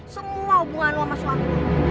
semua hubungan lo sama suami lo